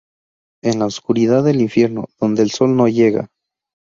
Es la oscuridad del Infierno, donde el sol no llega.